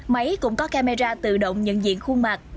máy cũng có camera tự động nhận diện khuôn mặt